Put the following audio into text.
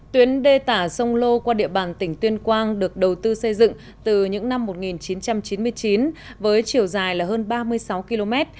tuyến đê tả sông lô qua địa bàn tỉnh tuyên quang được đầu tư xây dựng từ những năm một nghìn chín trăm chín mươi chín với chiều dài hơn ba mươi sáu km